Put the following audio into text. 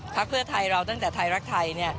เพื่อไทยเราตั้งแต่ไทยรักไทย